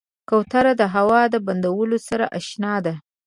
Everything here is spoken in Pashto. کوتره د هوا د بدلون سره اشنا ده.